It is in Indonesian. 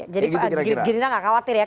jadi girena gak khawatir ya